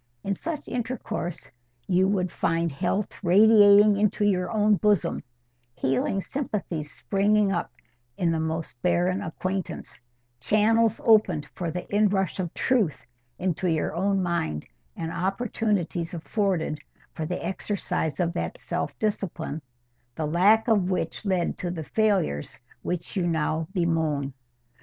In such intercourse you would find health radiating into your own bosom; healing sympathies springing up in the most barren acquaintance; channels opened for the in rush of truth into your own mind; and opportunities afforded for the exercise of that self discipline, the lack of which led to the failures which you now bemoan.